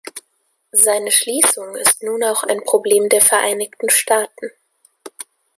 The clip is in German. Seine Schließung ist nun auch ein Problem der Vereinigten Staaten.